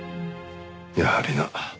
やはりな。